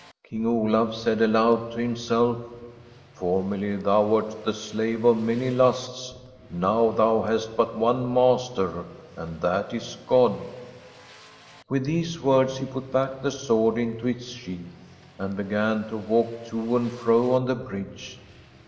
King Olaf said aloud to himself :' Formerly thou wert the slave of many lusts ; now thou hast but one master, and that is God/ With these words he put back the sword into its sheath, and began to walk to and fro on the bridge.